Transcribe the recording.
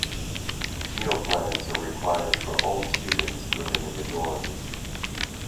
Meal plans are required for all students living in the dorms.